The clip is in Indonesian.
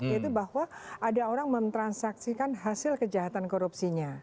yaitu bahwa ada orang mentransaksikan hasil kejahatan korupsinya